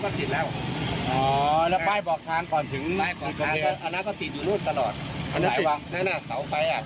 เริ่มต้นตั้งแต่สุดข้อเลย